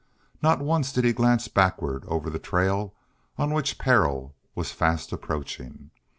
Not once did he glance backward over the trail on which peril was fast approaching.